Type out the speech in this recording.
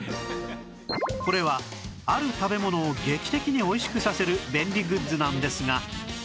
これはある食べ物を劇的においしくさせる便利グッズなんですが